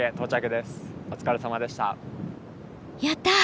やった！